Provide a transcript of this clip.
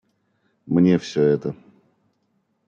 Мне все это.